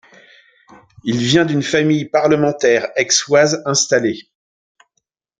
Il vient d'une famille parlementaire aixoise installée.